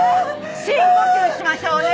深呼吸しましょうね。